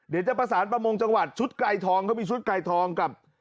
เดี๋ยวจะประสานประมงจังหวัดชุดไกลทองเขามีชุดไกลทองกับ